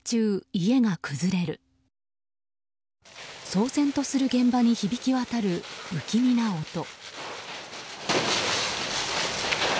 騒然とする現場に響き渡る不気味な音。